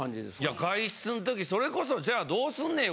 いや外出んときそれこそじゃあどうすんねん。